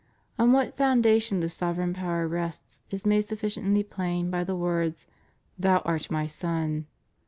On what foundation this sovereign power rests is made sufficiently plain by the words, Thou art My Son.